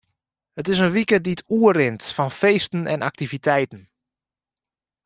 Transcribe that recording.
It is in wike dy't oerrint fan feesten en aktiviteiten.